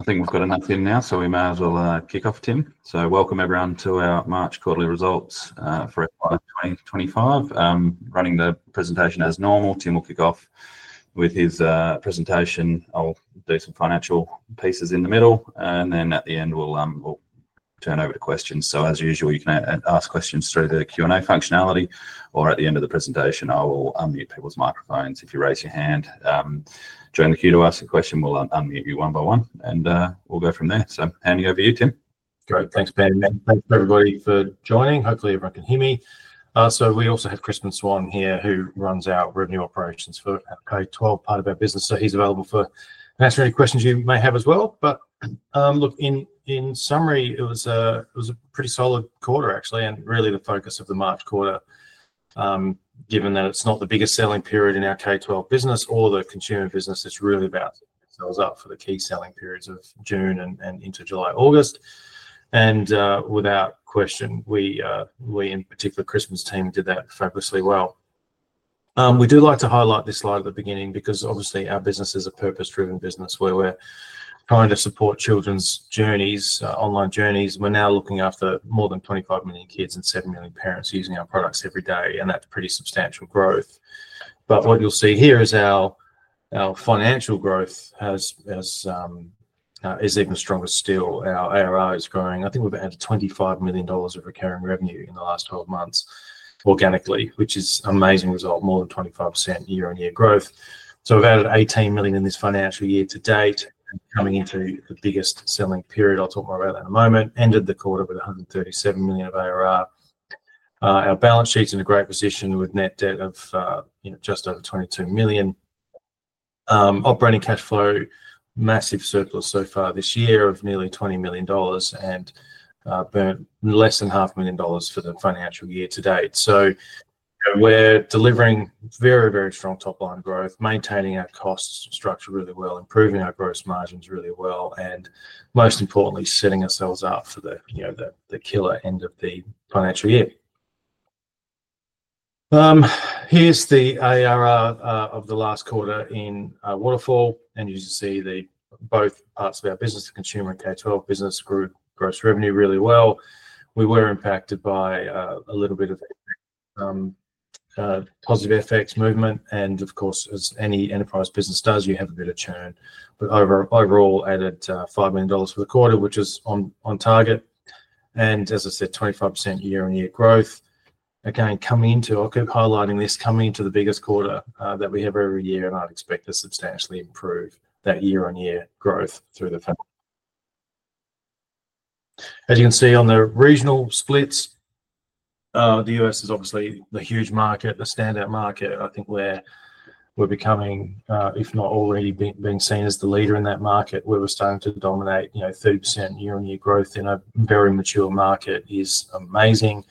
I think we've got enough in now, so we may as well kick off, Tim. Welcome everyone to our March Quarterly Results for FY 2025. I'm running the presentation as normal. Tim will kick off with his presentation. I'll do some financial pieces in the middle, and at the end we'll turn over to questions. As usual, you can ask questions through the Q&A functionality, or at the end of the presentation I will unmute people's microphones. If you raise your hand during the queue to ask a question, we'll unmute you one by one, and we'll go from there. Handing over to you, Tim. Great, thanks Ben and thanks to everybody for joining. Hopefully everyone can hear me. We also have Crispin Swan here who runs our revenue operations for K-12, part of our business. He is available for answering any questions you may have as well. Look, in summary, it was a pretty solid quarter actually, and really the focus of the March quarter, given that it is not the biggest selling period in our K-12 business or the consumer business. It is really about sales up for the key selling periods of June and into July, August. Without question, we in particular, Crispin's team did that fabulously well. We do like to highlight this slide at the beginning because obviously our business is a purpose-driven business where we are trying to support children's journeys, online journeys. We're now looking after more than 25 million kids and 7 million parents using our products every day, and that's pretty substantial growth. What you'll see here is our financial growth is even stronger still. Our ARR is growing. I think we've added $25 million of recurring revenue in the last 12 months organically, which is an amazing result, more than 25% year-on-year growth. We've added $18 million in this financial year to date, coming into the biggest selling period. I'll talk more about that in a moment. Ended the quarter with $137 million of ARR. Our balance sheet's in a great position with net debt of just over $22 million. Operating cash flow, massive surplus so far this year of nearly $20 million and burnt less than $500,000 for the financial year to date. We're delivering very, very strong top-line growth, maintaining our cost structure really well, improving our gross margins really well, and most importantly, setting ourselves up for the killer end of the financial year. Here's the ARR of the last quarter in waterfall, and you can see both parts of our business, the consumer and K-12 business, grew gross revenue really well. We were impacted by a little bit of positive FX movement, and of course, as any enterprise business does, you have a bit of churn. Overall, added $5 million for the quarter, which is on target. As I said, 25% year-on-year growth. Again, coming into, I'll keep highlighting this, coming into the biggest quarter that we have every year, and I'd expect to substantially improve that year-on-year growth through the funnel. As you can see on the regional splits, the US is obviously the huge market, the standout market. I think where we're becoming, if not already being seen as the leader in that market, where we're starting to dominate 30% year-on-year growth in a very mature market is amazing.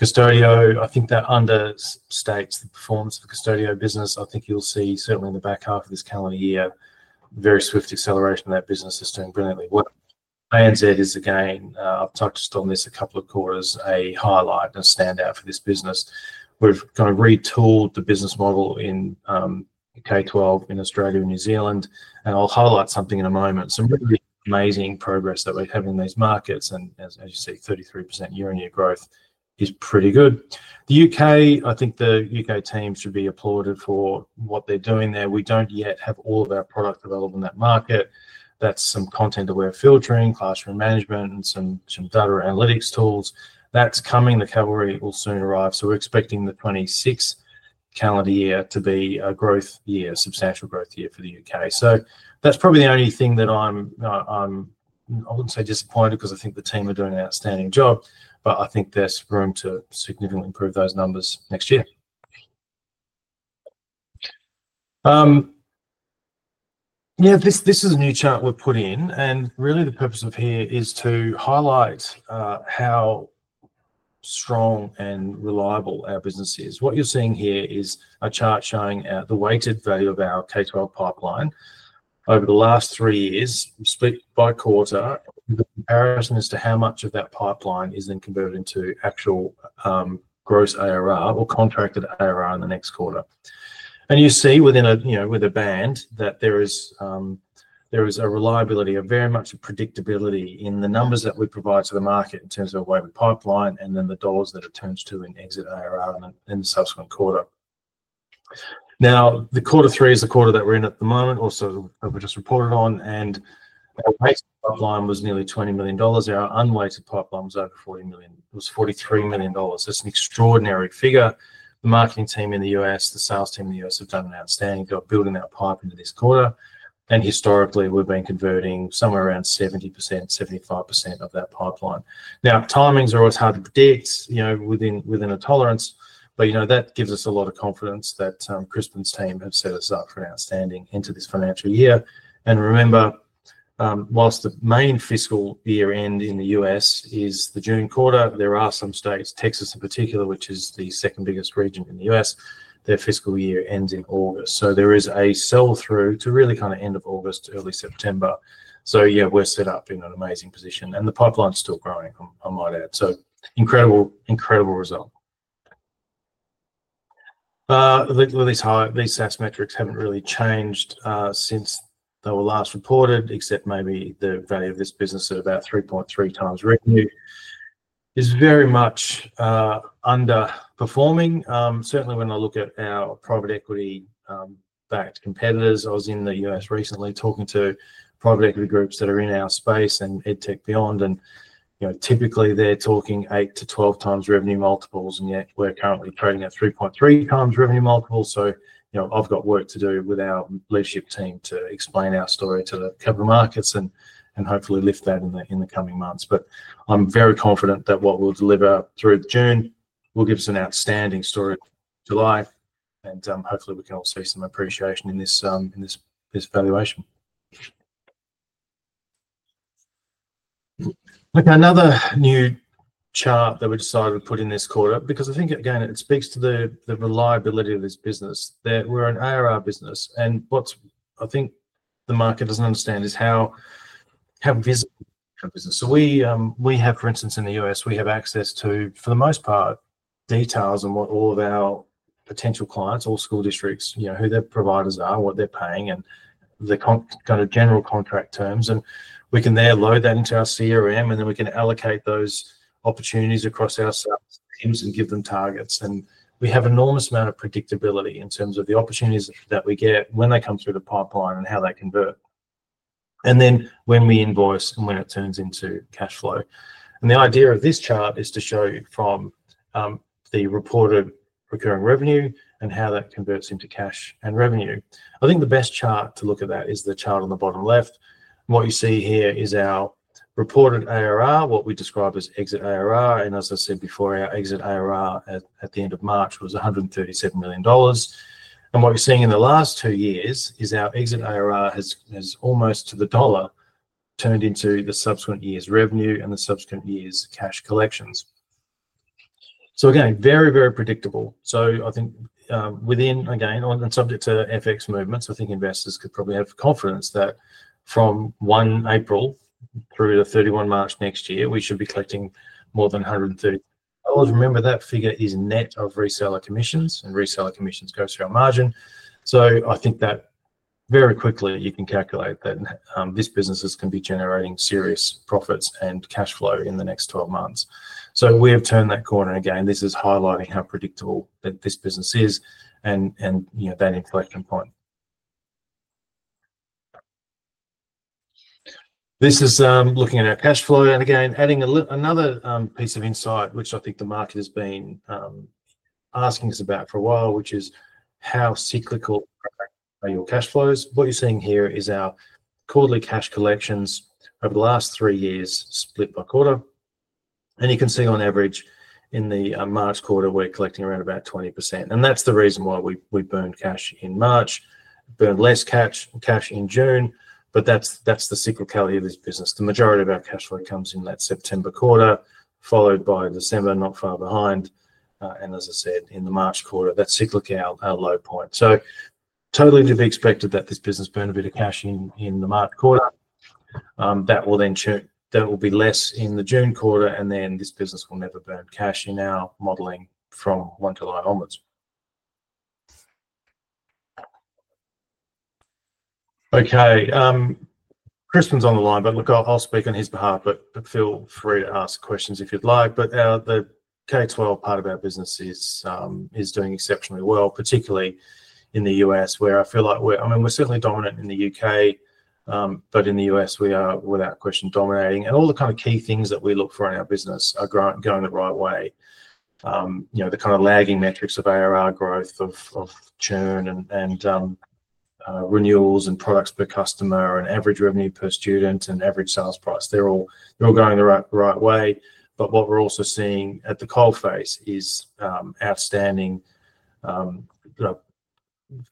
Qustodio, I think that understates the performance of the Qustodio business. I think you'll see certainly in the back half of this calendar year a very swift acceleration of that business. It's doing brilliantly. ANZ is again, I've touched on this a couple of quarters, a highlight and a standout for this business. We've kind of retooled the business model in K-12 in Australia and New Zealand, and I'll highlight something in a moment, some really amazing progress that we're having in these markets. As you see, 33% year-on-year growth is pretty good. The U.K., I think the U.K. team should be applauded for what they're doing there. We don't yet have all of our product available in that market. That's some content that we're filtering, classroom management, and some data analytics tools. That's coming. The cavalry will soon arrive. We are expecting the 2026 calendar year to be a growth year, substantial growth year for the U.K. That is probably the only thing that I'm, I wouldn't say disappointed because I think the team are doing an outstanding job, but I think there's room to significantly improve those numbers next year. Yeah, this is a new chart we've put in, and really the purpose here is to highlight how strong and reliable our business is. What you're seeing here is a chart showing the weighted value of our K-12 pipeline over the last three years, split by quarter, with a comparison as to how much of that pipeline is then converted into actual gross ARR or contracted ARR in the next quarter. You see within a, you know, with a band that there is a reliability, very much a predictability in the numbers that we provide to the market in terms of a weighted pipeline and then the dollars that it turns to in exit ARR in the subsequent quarter. Now, quarter three is the quarter that we're in at the moment, also that we just reported on, and our weighted pipeline was nearly $20 million. Our unweighted pipeline was over $43 million. It was $43 million. It's an extraordinary figure. The marketing team in the U.S., the sales team in the U.S. have done an outstanding job building that pipe into this quarter. Historically, we've been converting somewhere around 70%-75% of that pipeline. Now, timings are always hard to predict, you know, within a tolerance, but you know, that gives us a lot of confidence that Crispin's team have set us up for an outstanding into this financial year. Remember, whilst the main fiscal year end in the U.S. is the June quarter, there are some states, Texas in particular, which is the second biggest region in the U.S., their fiscal year ends in August. There is a sell-through to really kind of end of August, early September. Yeah, we're set up in an amazing position, and the pipeline's still growing, I might add. Incredible, incredible result. These SaaS metrics have not really changed since they were last reported, except maybe the value of this business at about 3.3 times revenue. It is very much underperforming. Certainly, when I look at our private equity-backed competitors, I was in the U.S. recently talking to private equity groups that are in our space and EdTech beyond, and you know, typically they are talking 8-12 times revenue multiples, and yet we are currently trading at 3.3 times revenue multiples. You know, I have got work to do with our leadership team to explain our story to the capital markets and hopefully lift that in the coming months. I am very confident that what we will deliver through June will give us an outstanding story in July, and hopefully we can all see some appreciation in this valuation. Okay, another new chart that we decided to put in this quarter because I think again, it speaks to the reliability of this business. We're an ARR business, and what I think the market doesn't understand is how visible our business is. We have, for instance, in the U.S., we have access to, for the most part, details on what all of our potential clients, all school districts, you know, who their providers are, what they're paying, and the kind of general contract terms. We can then load that into our CRM, and then we can allocate those opportunities across our sales teams and give them targets. We have an enormous amount of predictability in terms of the opportunities that we get when they come through the pipeline and how they convert, and then when we invoice and when it turns into cash flow. The idea of this chart is to show you from the reported recurring revenue and how that converts into cash and revenue. I think the best chart to look at that is the chart on the bottom left. What you see here is our reported ARR, what we describe as exit ARR. As I said before, our exit ARR at the end of March was $137 million. What we are seeing in the last two years is our exit ARR has almost to the dollar turned into the subsequent year's revenue and the subsequent year's cash collections. Very, very predictable. I think within, again, and subject to FX movements, I think investors could probably have confidence that from 1 April through to 31 March next year, we should be collecting more than $137 million. Remember, that figure is net of reseller commissions, and reseller commissions go through our margin. I think that very quickly you can calculate that this business can be generating serious profits and cash flow in the next 12 months. We have turned that corner. Again, this is highlighting how predictable this business is and that inflection point. This is looking at our cash flow and again, adding another piece of insight, which I think the market has been asking us about for a while, which is how cyclical are your cash flows. What you're seeing here is our quarterly cash collections over the last three years split by quarter. You can see on average in the March quarter, we're collecting around about 20%. That's the reason why we burned cash in March, burned less cash in June, but that's the cyclicality of this business. The majority of our cash flow comes in that September quarter, followed by December, not far behind. As I said, in the March quarter, that's cyclically our low point. Totally to be expected that this business burned a bit of cash in the March quarter. That will then churn, that will be less in the June quarter, and then this business will never burn cash in our modeling from one to the high omens. Okay, Crispin's on the line, but look, I'll speak on his behalf, but feel free to ask questions if you'd like. The K-12 part of our business is doing exceptionally well, particularly in the U.S., where I feel like we're, I mean, we're certainly dominant in the U.K., but in the U.S., we are without question dominating. All the kind of key things that we look for in our business are going the right way. You know, the kind of lagging metrics of ARR growth, of churn and renewals and products per customer and average revenue per student and average sales price, they're all going the right way. What we're also seeing at the coal face is outstanding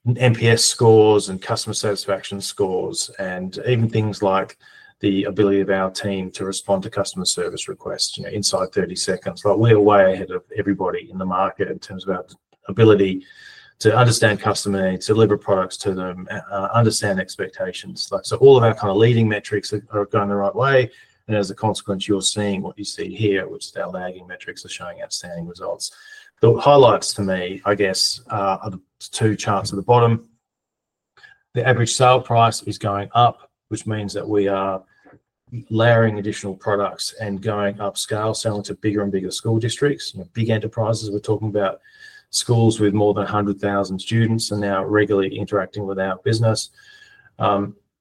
NPS scores and customer satisfaction scores and even things like the ability of our team to respond to customer service requests, you know, inside 30 seconds. We are way ahead of everybody in the market in terms of our ability to understand customers, deliver products to them, understand expectations. All of our kind of leading metrics are going the right way. As a consequence, you're seeing what you see here, which is our lagging metrics are showing outstanding results. The highlights for me, I guess, are the two charts at the bottom. The average sale price is going up, which means that we are layering additional products and going upscale, selling to bigger and bigger school districts, you know, big enterprises. We're talking about schools with more than 100,000 students and now regularly interacting with our business.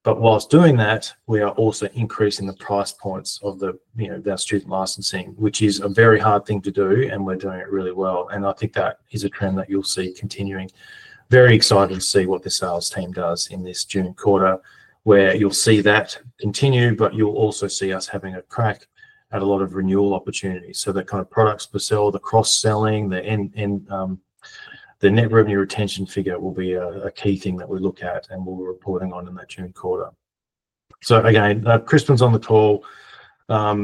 Whilst doing that, we are also increasing the price points of the, you know, our student licensing, which is a very hard thing to do, and we're doing it really well. I think that is a trend that you'll see continuing. Very excited to see what the sales team does in this June quarter, where you'll see that continue, but you'll also see us having a crack at a lot of renewal opportunities. The kind of products we sell, the cross-selling, the net revenue retention figure will be a key thing that we look at and we'll be reporting on in that June quarter. Again, Crispin's on the call. There are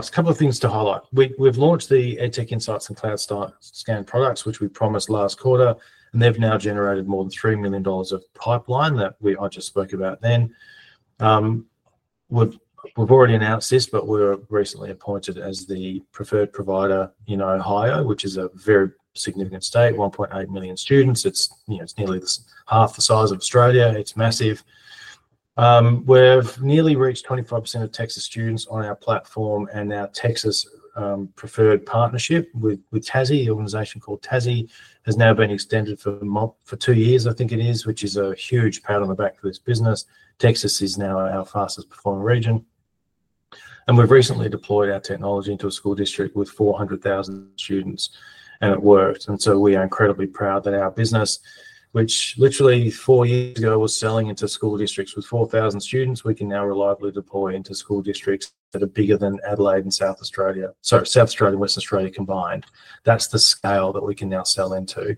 a couple of things to highlight. We've launched the EdTech Insights and CloudScan products, which we promised last quarter, and they've now generated more than $3 million of pipeline that I just spoke about then. We've already announced this, but we were recently appointed as the preferred provider in Ohio, which is a very significant state, 1.8 million students. It's, you know, it's nearly half the size of Australia. It's massive. We've nearly reached 25% of Texas students on our platform, and our Texas preferred partnership with TASI, the organization called TASI, has now been extended for two years, I think it is, which is a huge pat on the back of this business. Texas is now our fastest performing region. We've recently deployed our technology into a school district with 400,000 students, and it worked. We are incredibly proud that our business, which literally four years ago was selling into school districts with 4,000 students, we can now reliably deploy into school districts that are bigger than Adelaide and South Australia, sorry, South Australia and Western Australia combined. That's the scale that we can now sell into,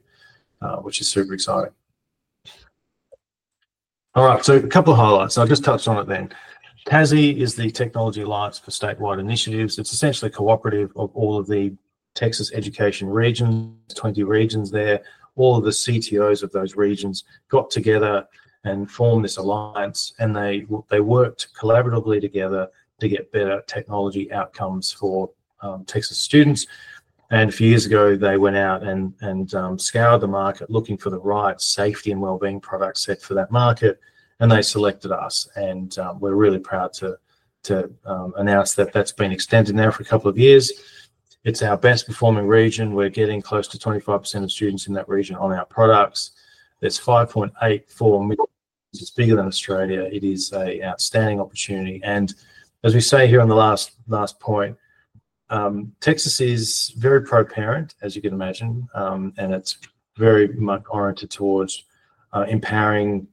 which is super exciting. All right, so a couple of highlights. I'll just touch on it then. TASI is the Texas Alliance for Statewide Initiatives. It's essentially a cooperative of all of the Texas education regions, 20 regions there. All of the CTOs of those regions got together and formed this alliance, and they worked collaboratively together to get better technology outcomes for Texas students. A few years ago, they went out and scoured the market looking for the right safety and wellbeing products set for that market, and they selected us. We're really proud to announce that that's been extended now for a couple of years. It's our best performing region. We're getting close to 25% of students in that region on our products. It's 5.84 million. It's bigger than Australia. It is an outstanding opportunity. As we say here on the last point, Texas is very pro-parent, as you can imagine, and it's very much oriented towards empowering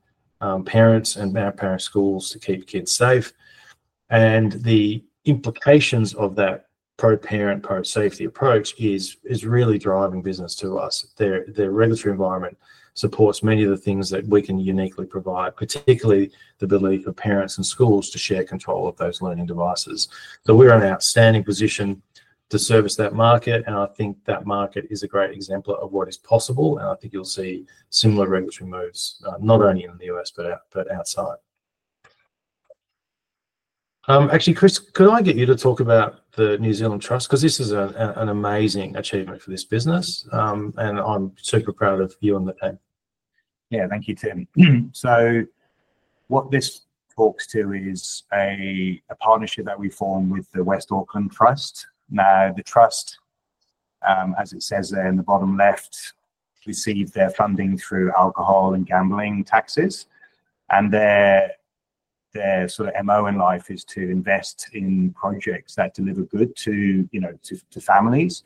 parents and our parent schools to keep kids safe. The implications of that pro-parent, pro-safety approach are really driving business to us. Their regulatory environment supports many of the things that we can uniquely provide, particularly the ability for parents and schools to share control of those learning devices. We are in an outstanding position to service that market, and I think that market is a great exemplar of what is possible. I think you will see similar regulatory moves not only in the U.S., but outside. Actually, Chris, could I get you to talk about the New Zealand Trust? This is an amazing achievement for this business, and I am super proud of you and the team. Thank you, Tim. What this talks to is a partnership that we formed with the West Auckland Trust. The Trust, as it says there in the bottom left, received their funding through alcohol and gambling taxes. Their sort of MO in life is to invest in projects that deliver good to, you know, to families.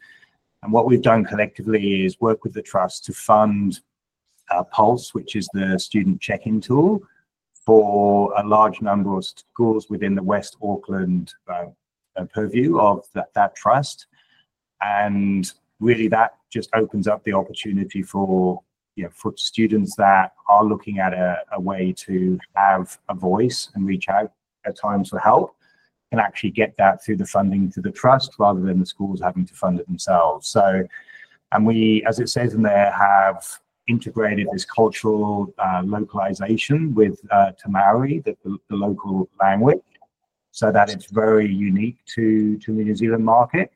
What we've done collectively is work with the Trust to fund Pulse, which is the student check-in tool for a large number of schools within the West Auckland purview of that Trust. That just opens up the opportunity for, you know, for students that are looking at a way to have a voice and reach out at times for help can actually get that through the funding to the Trust rather than the schools having to fund it themselves. We, as it says in there, have integrated this cultural localization with Te Reo Maori, the local language, so that it's very unique to the New Zealand market.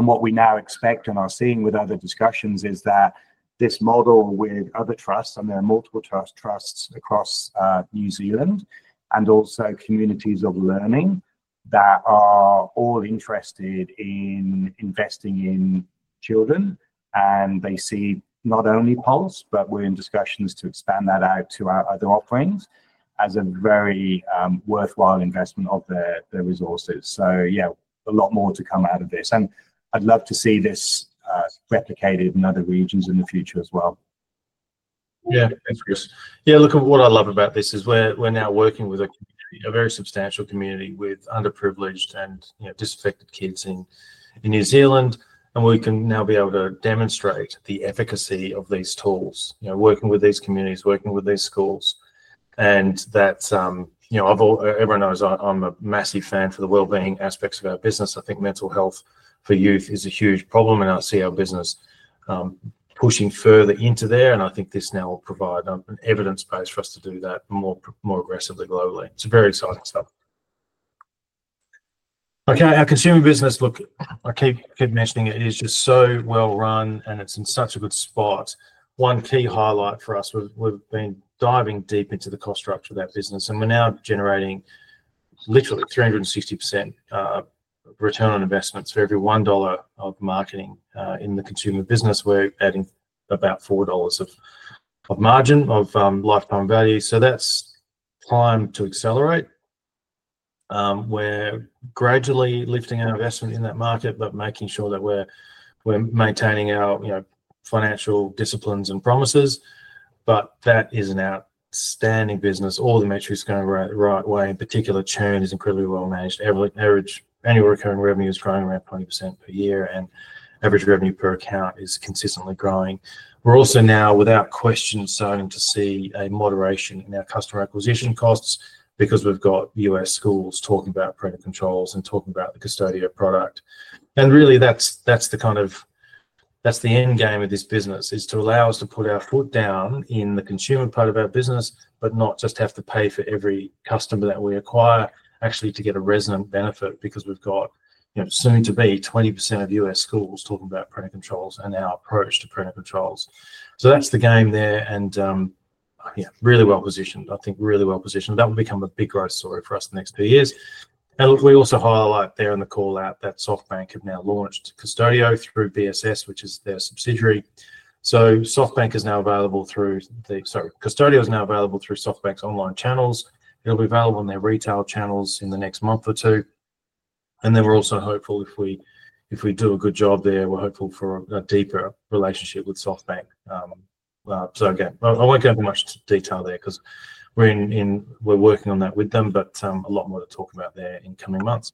What we now expect and are seeing with other discussions is that this model with other trusts, and there are multiple trusts across New Zealand, and also communities of learning that are all interested in investing in children. They see not only Pulse, but we are in discussions to expand that out to our other offerings as a very worthwhile investment of their resources. Yeah, a lot more to come out of this. I would love to see this replicated in other regions in the future as well. Yeah, thanks, Chris. Yeah, look, what I love about this is we are now working with a community, a very substantial community with underprivileged and disaffected kids in New Zealand, and we can now be able to demonstrate the efficacy of these tools, you know, working with these communities, working with these schools. That's, you know, everyone knows I'm a massive fan for the wellbeing aspects of our business. I think mental health for youth is a huge problem, and I see our business pushing further into there. I think this now will provide an evidence base for us to do that more aggressively globally. It's very exciting stuff. Okay, our consumer business, look, I keep mentioning it is just so well run, and it's in such a good spot. One key highlight for us, we've been diving deep into the cost structure of that business, and we're now generating literally 360% return on investments for every $1 of marketing in the consumer business. We're adding about $4 of margin of lifetime value. That's time to accelerate. We're gradually lifting our investment in that market, but making sure that we're maintaining our, you know, financial disciplines and promises. That is an outstanding business. All the metrics going the right way. In particular, churn is incredibly well managed. Average annual recurring revenue is growing around 20% per year, and average revenue per account is consistently growing. We're also now, without question, starting to see a moderation in our customer acquisition costs because we've got U.S. schools talking about printer controls and talking about the Qustodio product. Really, that's the kind of, that's the end game of this business, is to allow us to put our foot down in the consumer part of our business, but not just have to pay for every customer that we acquire, actually to get a resident benefit because we've got, you know, soon to be 20% of U.S. schools talking about printer controls and our approach to printer controls. That's the game there. Yeah, really well positioned. I think really well positioned. That will become a big growth story for us in the next few years. We also highlight there in the call out that SoftBank have now launched Qustodio through BSS, which is their subsidiary. SoftBank is now available through the, sorry, Qustodio is now available through SoftBank's online channels. It will be available on their retail channels in the next month or two. We are also hopeful if we do a good job there, we are hopeful for a deeper relationship with SoftBank. I will not go into much detail there because we are working on that with them, but a lot more to talk about there in coming months.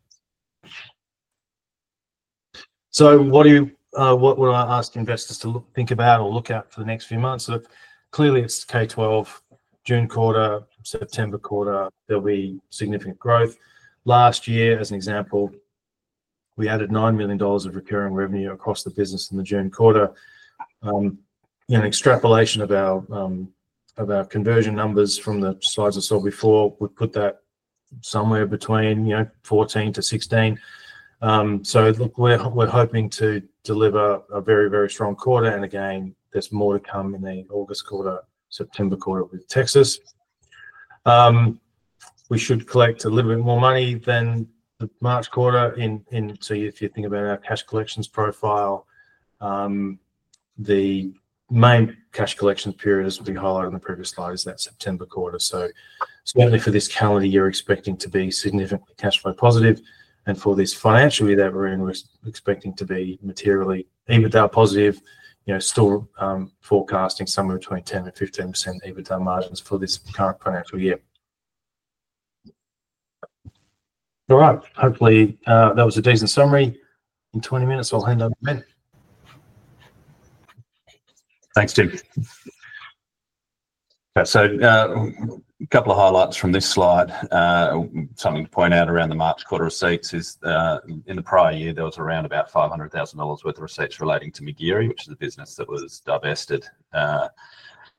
What would I ask investors to think about or look at for the next few months? Clearly, it is K-12, June quarter, September quarter, there will be significant growth. Last year, as an example, we added $9 million of recurring revenue across the business in the June quarter. In an extrapolation of our conversion numbers from the slides I saw before, we put that somewhere between, you know, 14-16. Look, we're hoping to deliver a very, very strong quarter. Again, there's more to come in the August quarter, September quarter with Texas. We should collect a little bit more money than the March quarter. If you think about our cash collections profile, the main cash collection period, as we highlighted in the previous slide, is that September quarter. Certainly for this calendar year, we're expecting to be significantly cash flow positive. For this financial year that we're in, we're expecting to be materially EBITDA positive, you know, still forecasting somewhere between 10-15% EBITDA margins for this current financial year. All right, hopefully that was a decent summary. In 20 minutes, I'll hand over to Ben. Thanks, Tim. Okay, so a couple of highlights from this slide. Something to point out around the March quarter receipts is in the prior year, there was around about $500,000 worth of receipts relating to McGeary, which is a business that was divested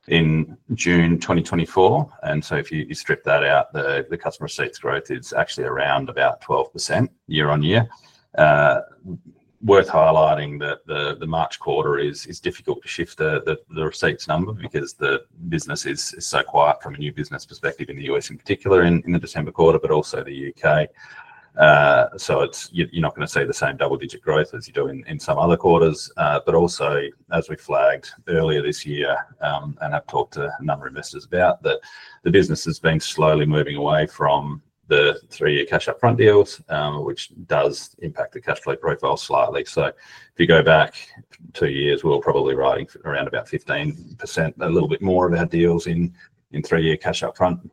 in June 2024. If you strip that out, the customer receipts growth is actually around about 12% year-on-year. Worth highlighting that the March quarter is difficult to shift the receipts number because the business is so quiet from a new business perspective in the U.S. in particular in the December quarter, but also the U.K. You are not going to see the same double-digit growth as you do in some other quarters. As we flagged earlier this year and have talked to a number of investors about, the business has been slowly moving away from the three-year cash upfront deals, which does impact the cash flow profile slightly. If you go back two years, we were probably riding around about 15%, a little bit more of our deals in three-year cash upfront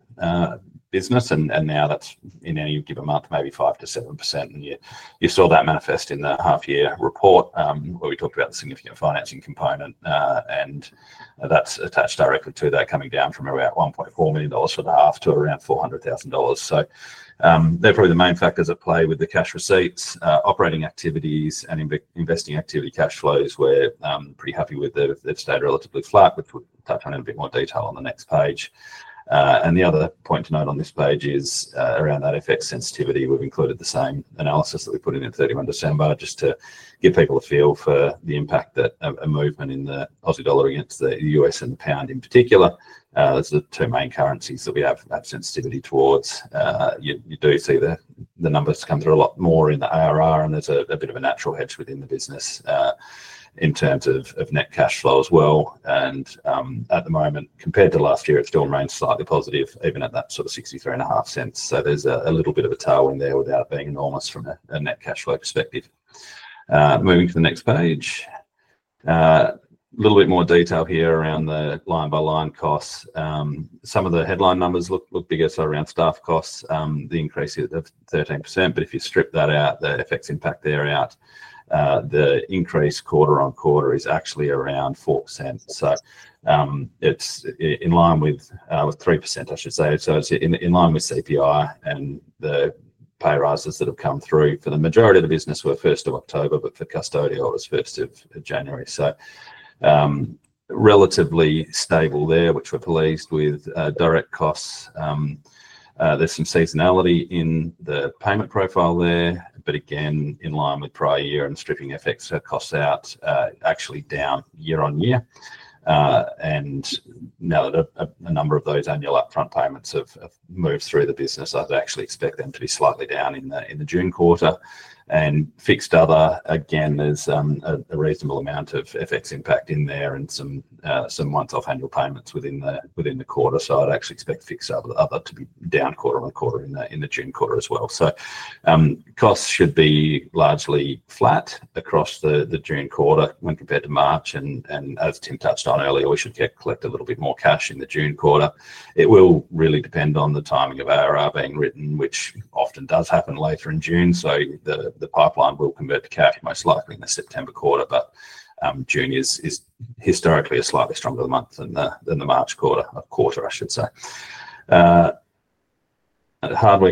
business. Now that's in any given month, maybe 5-7%. You saw that manifest in the half-year report where we talked about the significant financing component. That's attached directly to that coming down from about $1.4 million for the half to around $400,000. They're probably the main factors at play with the cash receipts, operating activities, and investing activity cash flows. We're pretty happy with that. It stayed relatively flat, which we'll touch on in a bit more detail on the next page. The other point to note on this page is around that FX sensitivity. We've included the same analysis that we put in on 31 December just to give people a feel for the impact of a movement in the Aussie dollar against the U.S. and the pound in particular. Those are the two main currencies that we have sensitivity towards. You do see the numbers come through a lot more in the ARR, and there's a bit of a natural hedge within the business in terms of net cash flow as well. At the moment, compared to last year, it still remains slightly positive, even at that sort of $0.635. There's a little bit of a tow in there without being enormous from a net cash flow perspective. Moving to the next page. A little bit more detail here around the line-by-line costs. Some of the headline numbers look bigger, so around staff costs, the increase is 13%. If you strip that out, the effects impact there out, the increase quarter-on-quarter is actually around 4%. It is in line with 3%, I should say. It is in line with CPI and the pay rises that have come through for the majority of the business were 1st of October, but for Custodial, it was 1st of January. Relatively stable there, which we're pleased with. Direct costs, there's some seasonality in the payment profile there. Again, in line with prior year and stripping effects costs out, actually down year-on-year. Now that a number of those annual upfront payments have moved through the business, I'd actually expect them to be slightly down in the June quarter. Fixed other, again, there's a reasonable amount of FX impact in there and some months off annual payments within the quarter. I'd actually expect fixed other to be down quarter-on-quarter in the June quarter as well. Costs should be largely flat across the June quarter when compared to March. As Tim touched on earlier, we should collect a little bit more cash in the June quarter. It will really depend on the timing of ARR being written, which often does happen later in June. The pipeline will convert to cash most likely in the September quarter. June is historically a slightly stronger month than the March quarter, I should say. Hardware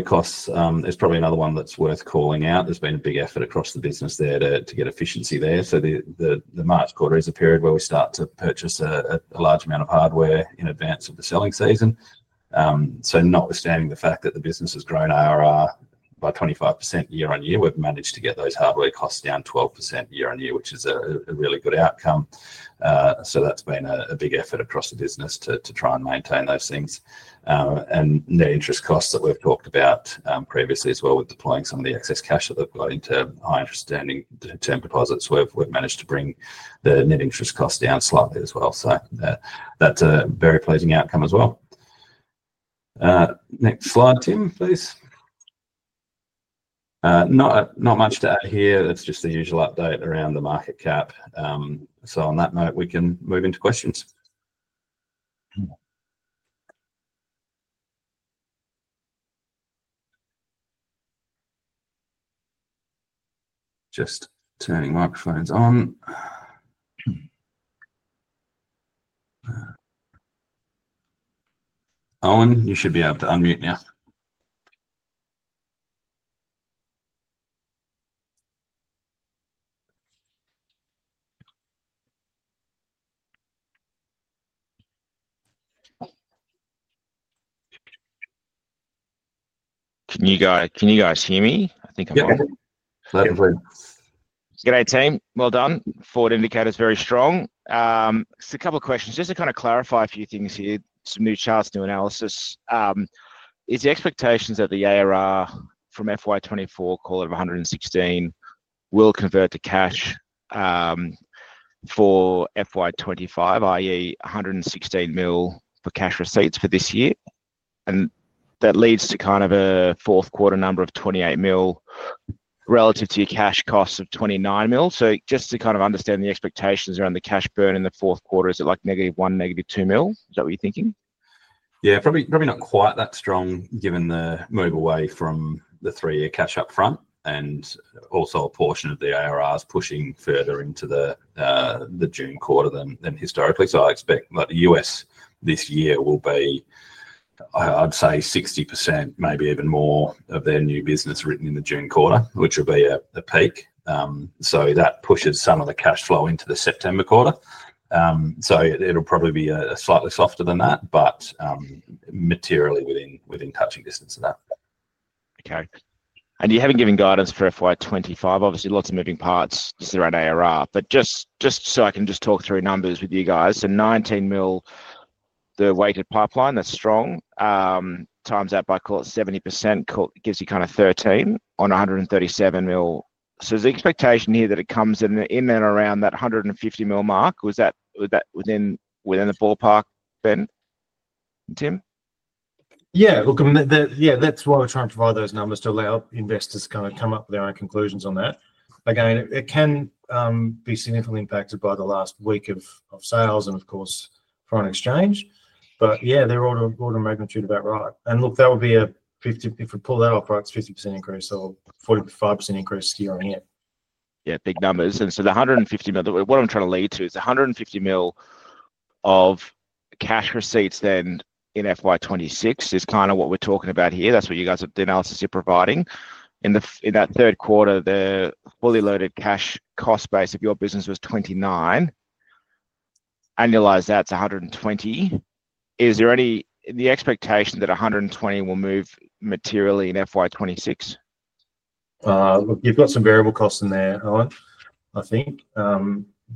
costs is probably another one that's worth calling out. There's been a big effort across the business there to get efficiency there. The March quarter is a period where we start to purchase a large amount of hardware in advance of the selling season. Notwithstanding the fact that the business has grown IRR by 25% year-on-year, we've managed to get those hardware costs down 12% year-on-year, which is a really good outcome. That's been a big effort across the business to try and maintain those things. Net interest costs that we've talked about previously as well with deploying some of the excess cash that they've got into high interest standing term deposits, we've managed to bring the net interest costs down slightly as well. That's a very pleasing outcome as well. Next slide, Tim, please. Not much to add here. It's just the usual update around the market cap. On that note, we can move into questions. Just turning microphones on. Owen, you should be able to unmute now. Can you guys hear me? I think I'm on. Yeah, perfectly. G'day, team. Well done. Forward indicator's very strong. Just a couple of questions. Just to kind of clarify a few things here. Some new charts, new analysis. Is the expectation that the IRR from FY 2024, call it 116, will convert to cash for FY 2025, i.e., 116 mil for cash receipts for this year? That leads to kind of a fourth quarter number of 28 mil relative to your cash costs of 29 mil. Just to kind of understand the expectations around the cash burn in the fourth quarter, is it like negative one, negative two mil? Is that what you're thinking? Yeah, probably not quite that strong given the move away from the three-year cash upfront and also a portion of the IRRs pushing further into the June quarter than historically. I expect that U.S. this year will be, I'd say, 60%, maybe even more of their new business written in the June quarter, which will be a peak. That pushes some of the cash flow into the September quarter. It'll probably be slightly softer than that, but materially within touching distance of that. Okay. You haven't given guidance for FY 2025. Obviously, lots of moving parts just around IRR. Just so I can just talk through numbers with you guys. Nineteen million, the weighted pipeline, that's strong. Times that by, call it, 70%, gives you kind of 13 on $137 million. The expectation here that it comes in and around that $150 million mark, was that within the ballpark, Ben? Tim? Yeah. Look, yeah, that's why we're trying to provide those numbers to allow investors to kind of come up with their own conclusions on that. Again, it can be significantly impacted by the last week of sales and, of course, foreign exchange. Yeah, they're all in magnitude about right. Look, that would be a, if we pull that off, right, it's a 50% increase or 45% increase year on year. Yeah, big numbers. The $150 million, what I'm trying to lead to is the $150 million of cash receipts then in FY 2026 is kind of what we're talking about here. That's what you guys, the analysis you're providing. In that third quarter, the fully loaded cash cost base of your business was 29. Annualized, that's 120. Is there any expectation that 120 will move materially in FY 2026? Look, you've got some variable costs in there, Owen, I think.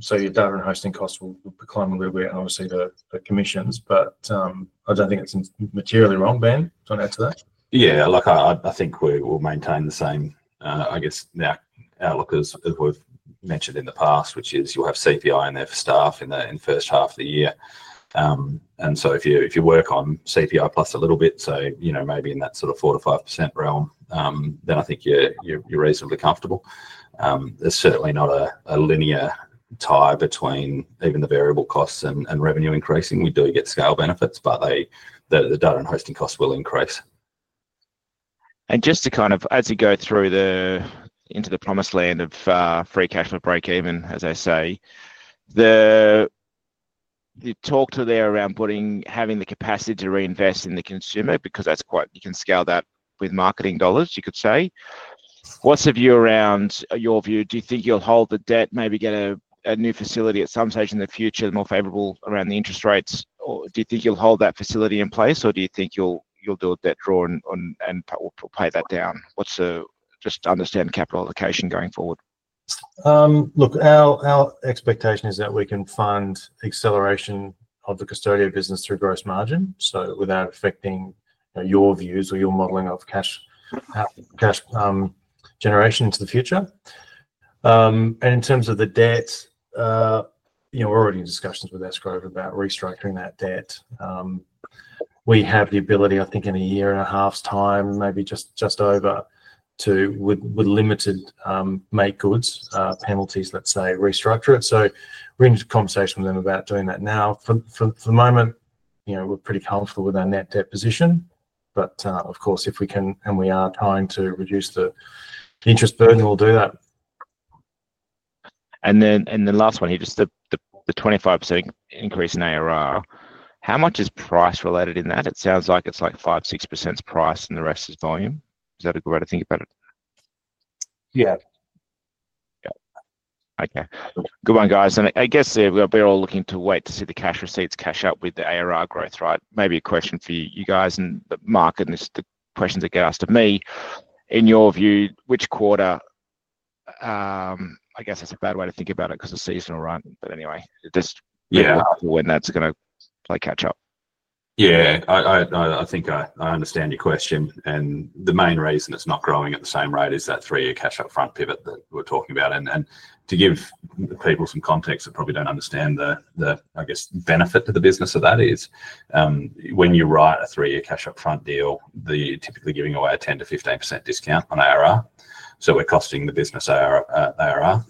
Your data and hosting costs will decline a little bit, obviously, the commissions. I don't think it's materially wrong, Ben. Do you want to add to that? Yeah. Look, I think we'll maintain the same, I guess, outlook as we've mentioned in the past, which is you'll have CPI in there for staff in the first half of the year. If you work on CPI plus a little bit, so maybe in that sort of 4-5% realm, then I think you're reasonably comfortable. There's certainly not a linear tie between even the variable costs and revenue increasing. We do get scale benefits, but the data and hosting costs will increase. Just to kind of, as you go through into the promised land of free cash for break-even, as I say, the talk to there around having the capacity to reinvest in the consumer, because you can scale that with marketing dollars, you could say. What's your view around your view? Do you think you'll hold the debt, maybe get a new facility at some stage in the future, more favorable around the interest rates? Or do you think you'll hold that facility in place, or do you think you'll do a debt draw and pay that down? Just to understand capital allocation going forward. Look, our expectation is that we can fund acceleration of the custodial business through gross margin, so without affecting your views or your modeling of cash generation into the future. In terms of the debt, we're already in discussions with Escrow about restructuring that debt. We have the ability, I think, in a year and a half's time, maybe just over, to, with limited make goods penalties, let's say, restructure it. We're in conversation with them about doing that now. For the moment, we're pretty comfortable with our net debt position. Of course, if we can and we are trying to reduce the interest burden, we'll do that. The last one here, just the 25% increase in IRR. How much is price related in that? It sounds like it's like 5%-6% price and the rest is volume. Is that a good way to think about it? Yeah. Yeah. Okay. Good one, guys. I guess we're all looking to wait to see the cash receipts cash out with the IRR growth, right? Maybe a question for you guys and the market and the questions that get asked of me. In your view, which quarter? I guess that's a bad way to think about it because it's seasonal run. Anyway, just when that's going to play catch up. Yeah. I think I understand your question. The main reason it's not growing at the same rate is that three-year cash upfront pivot that we're talking about. To give people some context that probably don't understand the, I guess, benefit to the business of that is when you write a three-year cash upfront deal, they're typically giving away a 10-15% discount on IRR. So we're costing the business IRR.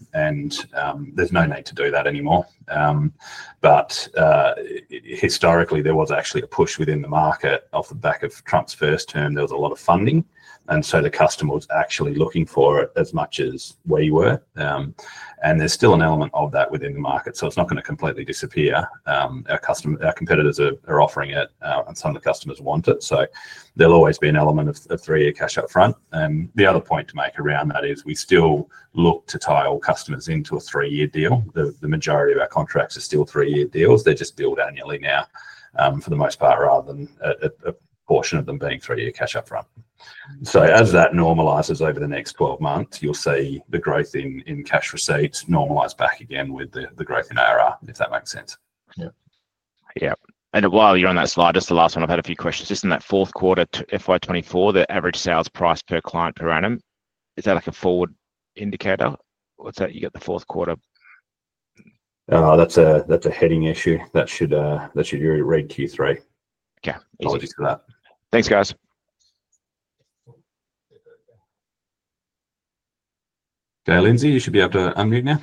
There's no need to do that anymore. Historically, there was actually a push within the market off the back of Trump's first term. There was a lot of funding. The customer was actually looking for it as much as we were. There's still an element of that within the market. It's not going to completely disappear. Our competitors are offering it, and some of the customers want it. There will always be an element of three-year cash upfront. The other point to make around that is we still look to tie all customers into a three-year deal. The majority of our contracts are still three-year deals. They're just billed annually now for the most part, rather than a portion of them being three-year cash upfront. As that normalizes over the next 12 months, you'll see the growth in cash receipts normalize back again with the growth in ARR, if that makes sense. Yeah. Yeah. While you're on that slide, just the last one, I've had a few questions. Just in that fourth quarter to FY 2024, the average sales price per client per annum, is that like a forward indicator? What's that? You got the fourth quarter. That's a heading issue. That should read Q3. Okay. Apologies for that. Thanks, guys. Okay, Lindsay, you should be able to unmute now.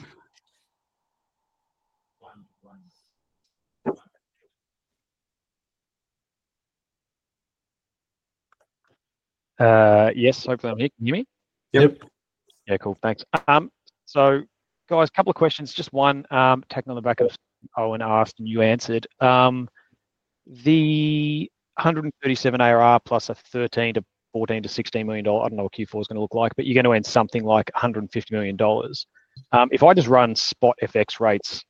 Yes, hopefully I'm here. Can you hear me? Yep. Yeah, cool. Thanks. Guys, a couple of questions. Just one tacking on the back of Owen asked and you answered. The $137 million ARR plus a $13 million-$14 million-$16 million—I don't know what Q4 is going to look like—but you're going to earn something like $150 million. If I just run spot FX rates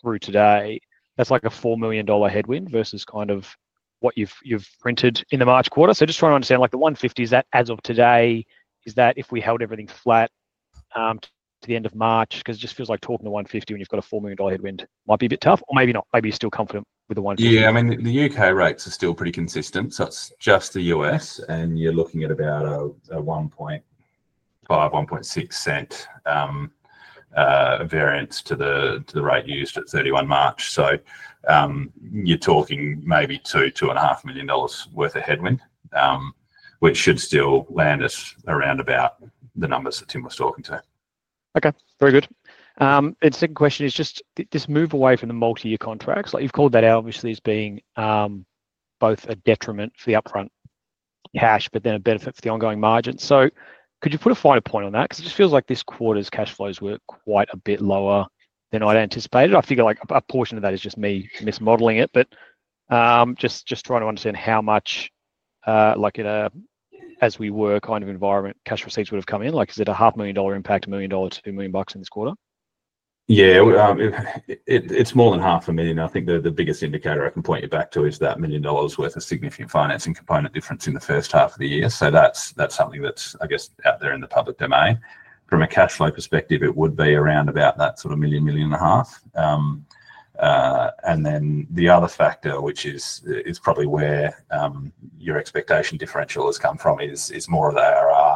through today, that's like a $4 million headwind versus kind of what you've printed in the March quarter. Just trying to understand, like the 150, as of today, is that if we held everything flat to the end of March? Because it just feels like talking to 150 when you've got a $4 million headwind might be a bit tough. Or maybe not. Maybe you're still confident with the 150. Yeah. I mean, the U.K. rates are still pretty consistent. It's just the U.S., and you're looking at about a 1.5 cent-1.6 cent variance to the rate used at 31 March. You're talking maybe $2 million-$2.5 million worth of headwind, which should still land us around about the numbers that Tim was talking to. Okay. Very good. Second question is just this move away from the multi-year contracts. You've called that out, obviously, as being both a detriment for the upfront cash, but then a benefit for the ongoing margin. Could you put a finer point on that? Because it just feels like this quarter's cash flows were quite a bit lower than I'd anticipated. I figure a portion of that is just me mismodeling it. Just trying to understand how much, as we were kind of environment, cash receipts would have come in. Is it a $500,000 impact, $1 million, $2 million in this quarter? Yeah. It's more than $500,000. I think the biggest indicator I can point you back to is that $1 million worth of significant financing component difference in the first half of the year. That's something that's, I guess, out there in the public domain. From a cash flow perspective, it would be around about that sort of $1 million-$1.5 million. The other factor, which is probably where your expectation differential has come from, is more of the IRR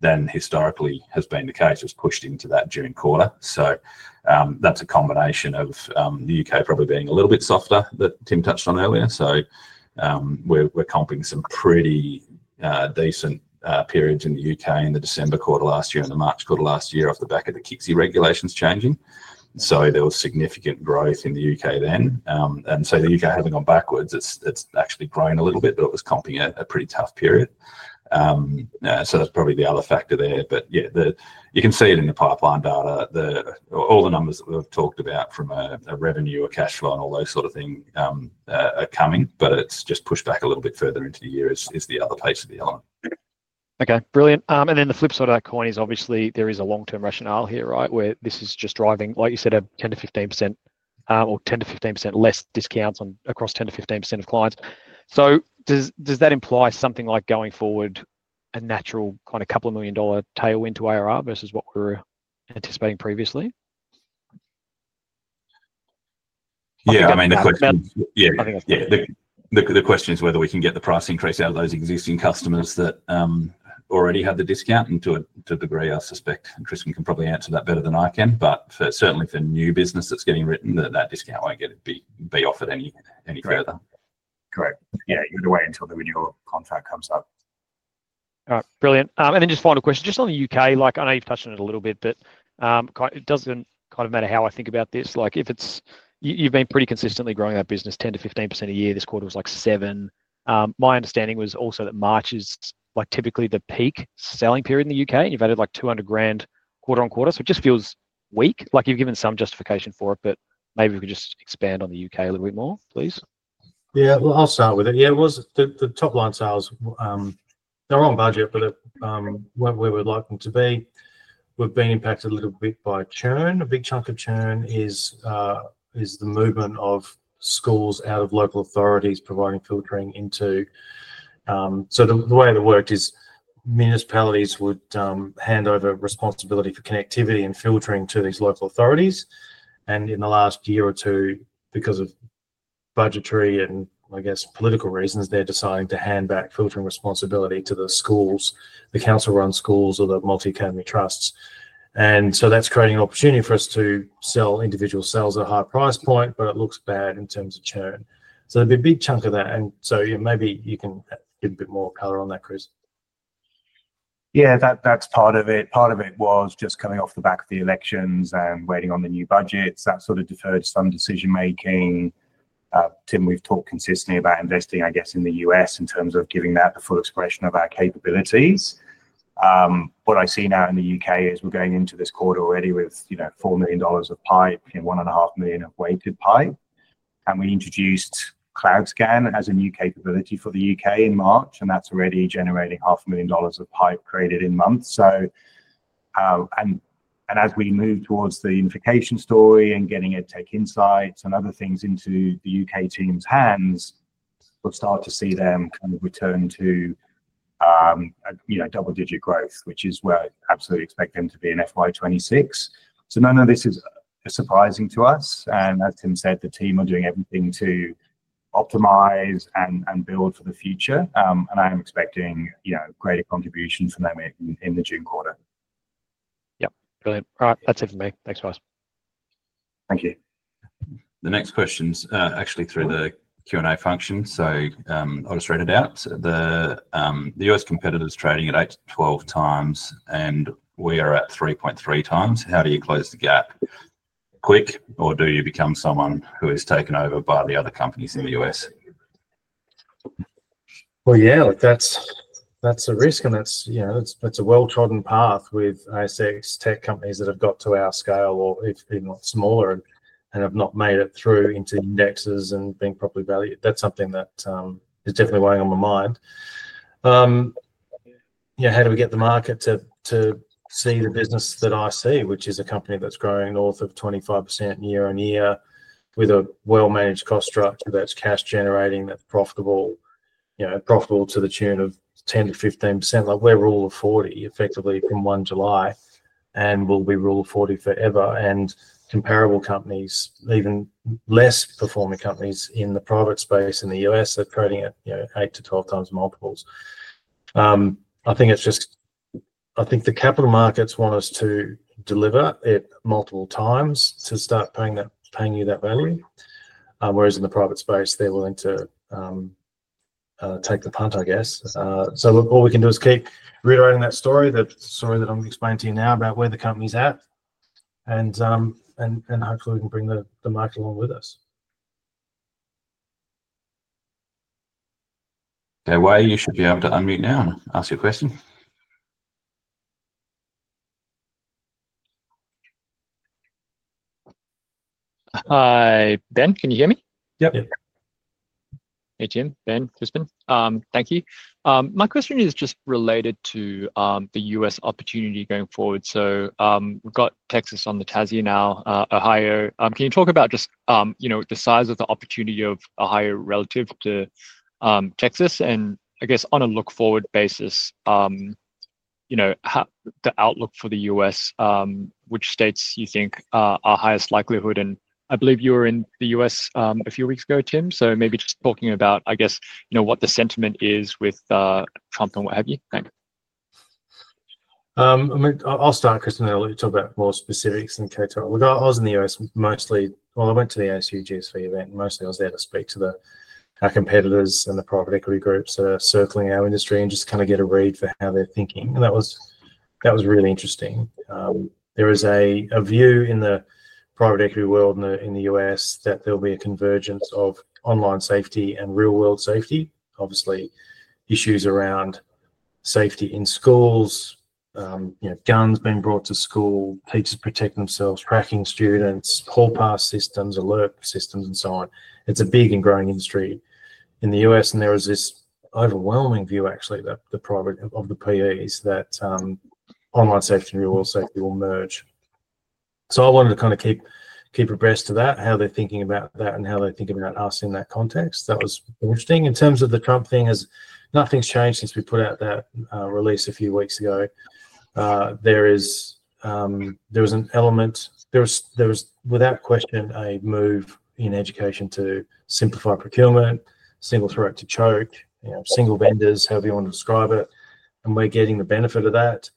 than historically has been the case, was pushed into that June quarter. That is a combination of the U.K. probably being a little bit softer that Tim touched on earlier. We are comping some pretty decent periods in the U.K. in the December quarter last year and the March quarter last year off the back of the KCSIE regulations changing. There was significant growth in the U.K. then. The U.K., having gone backwards, has actually grown a little bit, but it was comping a pretty tough period. That is probably the other factor there. You can see it in the pipeline data. All the numbers that we've talked about from a revenue, a cash flow, and all those sort of things are coming, but it's just pushed back a little bit further into the year is the other piece of the element. Okay. Brilliant. The flip side of that coin is obviously there is a long-term rationale here, right, where this is just driving, like you said, a 10%-15% or 10%-15% less discounts across 10%-15% of clients. Does that imply something like going forward, a natural kind of couple of million dollar tailwind to IRR versus what we were anticipating previously? Yeah. I mean, the question is, yeah, the question is whether we can get the price increase out of those existing customers that already have the discount to a degree. I suspect Chris can probably answer that better than I can. Certainly for new business that's getting written, that discount will not be offered any further. Correct. You have to wait until the renewal contract comes up. All right. Brilliant. Just final question. Just on the U.K., I know you've touched on it a little bit, but it does not kind of matter how I think about this. You've been pretty consistently growing that business 10-15% a year. This quarter was like 7%. My understanding was also that March is typically the peak selling period in the U.K., and you've added like $200,000 quarter on quarter. It just feels weak. You've given some justification for it, but maybe we could just expand on the U.K. a little bit more, please. Yeah. I'll start with it. Yeah. The top line sales, they're on budget, but where we're likely to be. We've been impacted a little bit by churn. A big chunk of churn is the movement of schools out of local authorities providing filtering into. The way it worked is municipalities would hand over responsibility for connectivity and filtering to these local authorities. In the last year or two, because of budgetary and, I guess, political reasons, they're deciding to hand back filtering responsibility to the schools, the council-run schools, or the multi-academy trusts. That is creating an opportunity for us to sell individual cells at a high price point, but it looks bad in terms of churn. There would be a big chunk of that. Maybe you can give a bit more color on that, Chris. Yeah. That's part of it. Part of it was just coming off the back of the elections and waiting on the new budgets. That sort of deferred some decision-making. Tim, we've talked consistently about investing, I guess, in the U.S. in terms of giving that the full expression of our capabilities. What I see now in the U.K. is we're going into this quarter already with $4 million of pipe and $1.5 million of weighted pipe. We introduced CloudScan as a new capability for the U.K. in March, and that's already generating $500,000 of pipe created in months. As we move towards the unification story and getting EdTech Insights and other things into the U.K. team's hands, we'll start to see them kind of return to double-digit growth, which is where I absolutely expect them to be in FY 2026. None of this is surprising to us. As Tim said, the team are doing everything to optimize and build for the future. I am expecting greater contribution from them in the June quarter. Yep. Brilliant. All right. That's it from me. Thanks, guys. Thank you. The next question's actually through the Q&A function. I'll just read it out. The U.S. competitor's trading at 8-12 times, and we are at 3.3 times. How do you close the gap? Quick, or do you become someone who is taken over by the other companies in the U.S.? Yeah, that's a risk, and that's a well-trodden path with ASX tech companies that have got to our scale or even smaller and have not made it through into indexes and being properly valued. That's something that is definitely weighing on my mind. How do we get the market to see the business that I see, which is a company that's growing north of 25% year on year with a well-managed cost structure that's cash generating, that's profitable, profitable to the tune of 10%-15%? We're rule of 40, effectively, from 1 July, and we'll be rule of 40 forever. Comparable companies, even less performing companies in the private space in the U.S., are trading at 8-12 times multiples. I think it's just I think the capital markets want us to deliver it multiple times to start paying you that value. Whereas in the private space, they're willing to take the punt, I guess. What we can do is keep reiterating that story, the story that I'm explaining to you now about where the company's at, and hopefully, we can bring the market along with us. Okay. Wei, you should be able to unmute now and ask your question. Hi, Ben. Can you hear me? Yep. Hey, Tim, Ben, Crispin. Thank you. My question is just related to the U.S. opportunity going forward. So we've got Texas on the TASI now, Ohio. Can you talk about just the size of the opportunity of Ohio relative to Texas? And I guess on a look-forward basis, the outlook for the U.S., which states you think are highest likelihood? I believe you were in the U.S. a few weeks ago, Tim. Maybe just talking about, I guess, what the sentiment is with Trump and what have you. Thank you. I'll start, Chris, and then I'll let you talk about more specifics in case I was in the U.S. mostly. I went to the ASU GSV event. Mostly, I was there to speak to the competitors and the private equity groups that are circling our industry and just kind of get a read for how they're thinking. That was really interesting. There is a view in the private equity world in the U.S. that there'll be a convergence of online safety and real-world safety. Obviously, issues around safety in schools, guns being brought to school, teachers protecting themselves, tracking students, hall pass systems, alert systems, and so on. It's a big and growing industry in the U.S. There is this overwhelming view, actually, of the PEs that online safety and real-world safety will merge. I wanted to kind of keep abreast of that, how they're thinking about that and how they're thinking about us in that context. That was interesting. In terms of the Trump thing, nothing's changed since we put out that release a few weeks ago. There was an element. There was, without question, a move in education to simplify procurement, single throat to choke, single vendors, however you want to describe it. We're getting the benefit of that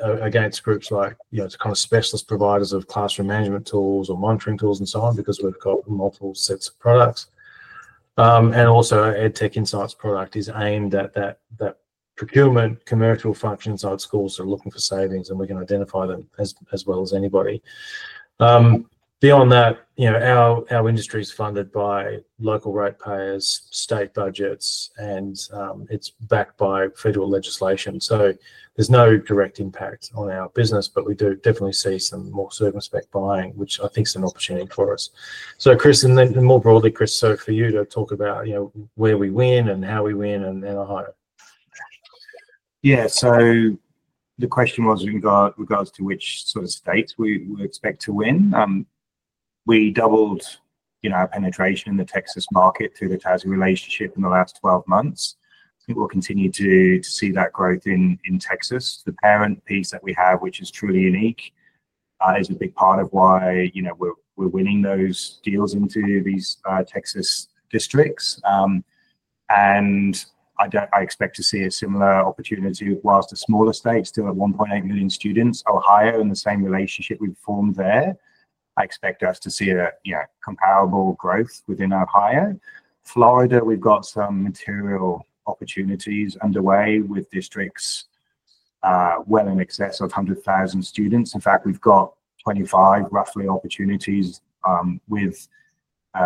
against groups like kind of specialist providers of classroom management tools or monitoring tools and so on because we've got multiple sets of products. Also, EdTech Insights product is aimed at that procurement commercial function inside schools that are looking for savings, and we can identify them as well as anybody. Beyond that, our industry is funded by local rate payers, state budgets, and it's backed by federal legislation. There's no direct impact on our business, but we do definitely see some more circumspect buying, which I think is an opportunity for us. Chris, and then more broadly, Chris, for you to talk about where we win and how we win in Ohio. Yeah. The question was in regards to which sort of states we expect to win. We doubled our penetration in the Texas market through the TASI relationship in the last 12 months. I think we'll continue to see that growth in Texas. The parent piece that we have, which is truly unique, is a big part of why we're winning those deals into these Texas districts. I expect to see a similar opportunity whilst a smaller state, still at 1.8 million students, Ohio, in the same relationship we've formed there. I expect us to see a comparable growth within Ohio. Florida, we've got some material opportunities underway with districts well in excess of 100,000 students. In fact, we've got 25 roughly opportunities with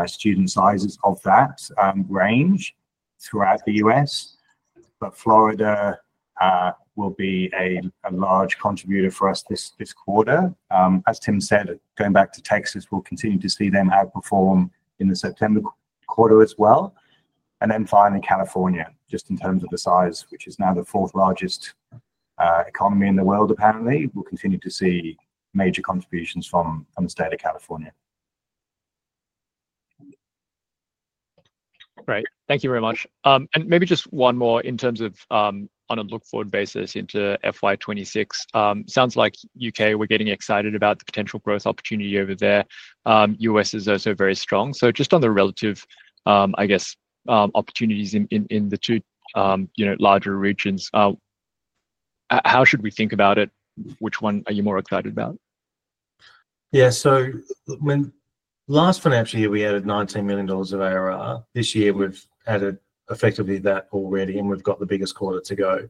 student sizes of that range throughout the U.S. Florida will be a large contributor for us this quarter. As Tim said, going back to Texas, we'll continue to see them outperform in the September quarter as well. Finally, California, just in terms of the size, which is now the fourth largest economy in the world, apparently, we'll continue to see major contributions from the state of California. Great. Thank you very much. Maybe just one more in terms of on a look-forward basis into FY 2026. Sounds like U.K., we're getting excited about the potential growth opportunity over there. U.S. is also very strong. Just on the relative, I guess, opportunities in the two larger regions, how should we think about it? Which one are you more excited about? Yeah. Last financial year, we added $19 million of ARR. This year, we've added effectively that already, and we've got the biggest quarter to go.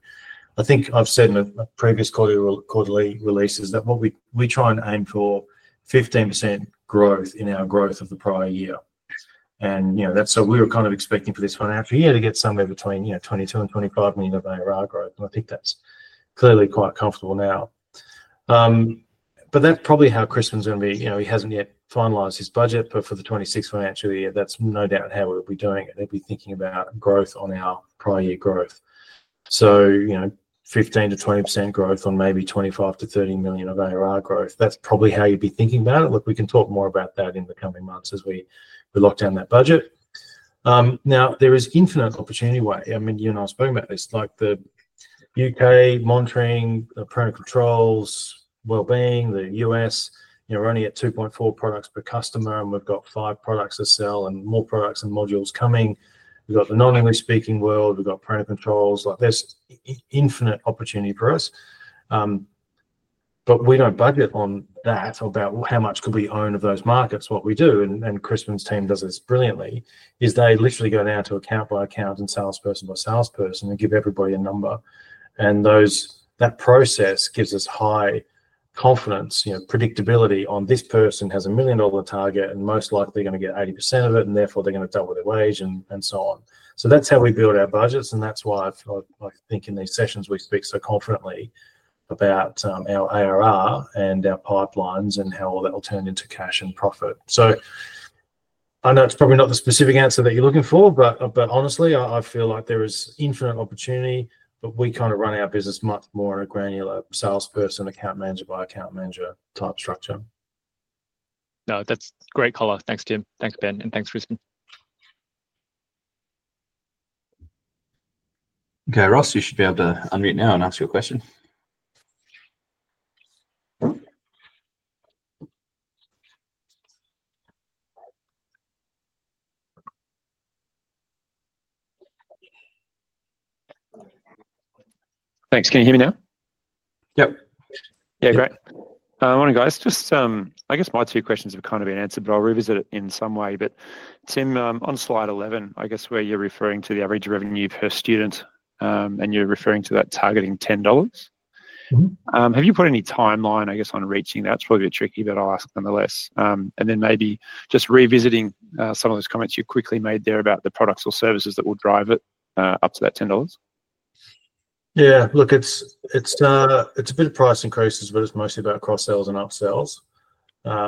I think I've said in a previous quarterly release that we try and aim for 15% growth in our growth of the prior year. We were kind of expecting for this financial year to get somewhere between $22 million and $25 million of ARR growth. I think that's clearly quite comfortable now. That's probably how Chris Ben is going to be. He hasn't yet finalized his budget, but for the 2026 financial year, that's no doubt how we'll be doing it. They'll be thinking about growth on our prior year growth. So 15%-20% growth on maybe $25 million-$30 million of ARR growth. That's probably how you'd be thinking about it. Look, we can talk more about that in the coming months as we lock down that budget. Now, there is infinite opportunity. I mean, you and I have spoken about this. The U.K. monitoring, the parental controls, well-being, the U.S., we're only at 2.4 products per customer, and we've got five products to sell and more products and modules coming. We've got the non-English speaking world. We've got parental controls. There is infinite opportunity for us. We do not budget on that about how much could we own of those markets. What we do, and Crispin's team does this brilliantly, is they literally go down to account by account and salesperson by salesperson and give everybody a number. That process gives us high confidence, predictability on this person has a million-dollar target and most likely going to get 80% of it, and therefore they're going to double their wage and so on. That is how we build our budgets. That is why I think in these sessions we speak so confidently about our ARR and our pipelines and how all that will turn into cash and profit. I know it's probably not the specific answer that you're looking for, but honestly, I feel like there is infinite opportunity, but we kind of run our business much more in a granular salesperson, account manager by account manager type structure. No, that's great, color. Thanks, Tim. Thanks, Ben, and thanks, Crispin. Okay, Ross, you should be able to unmute now and ask your question. Thanks. Can you hear me now? Yep. Yeah, great. Morning, guys. Just I guess my two questions have kind of been answered, but I'll revisit it in some way. Tim, on slide 11, I guess where you're referring to the average revenue per student, and you're referring to that targeting $10. Have you put any timeline, I guess, on reaching that? It's probably a tricky bit I'll ask nonetheless. Maybe just revisiting some of those comments you quickly made there about the products or services that will drive it up to that $10. Yeah. Look, it's a bit of price increases, but it's mostly about cross-sales and up-sales.